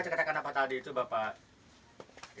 dikatakan apa tadi itu bapak